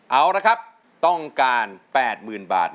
เอาละครับต้องการ๘๐๐๐บาท